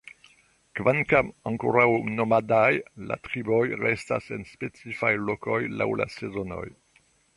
Kvankam ankoraŭ nomadaj, la triboj restas en specifaj lokoj laŭ la sezonoj.